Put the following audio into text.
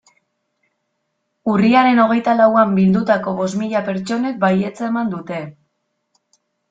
Urriaren hogeita lauan bildutako bost mila pertsonek baietza eman zuten.